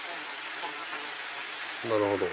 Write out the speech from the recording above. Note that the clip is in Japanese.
なるほど。